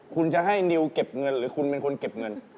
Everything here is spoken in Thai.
คุณจะให้นิวเก็บเงินหรือคุณเป็นคนเก็บเงิน